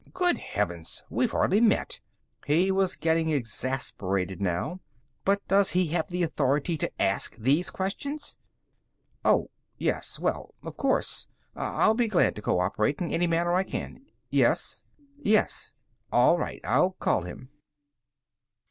Good heavens, we've hardly met!" He was getting exasperated now. "But does he have the authority to ask these questions? Oh. Yes. Well, of course, I'll be glad to co operate in any manner I can ... Yes ... Yes. All right, I'll call him."